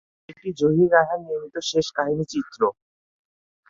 এটি জহির রায়হান নির্মিত শেষ কাহিনী চিত্র।